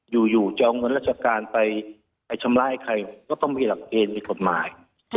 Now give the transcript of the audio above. อยู่จะเอาเงินราชการไปชำระใครก็ต้องมีหลักเกณฑ์มีกฎหมาย